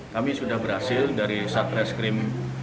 kami sudah berhasil dari satreskrim